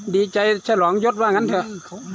ดีใจฉลองยศว่างั้นเถอะ